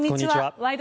「ワイド！